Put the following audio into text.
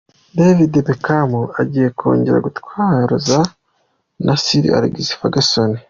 David Beckham agiye kongera gutozwa na Sir Alex Ferguson.